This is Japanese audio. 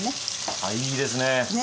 あいいですね。ね。